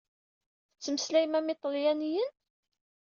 Tettmeslayem am iṭalyaniyen?